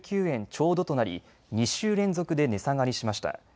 ちょうどとなり２週連続で値下がりしました。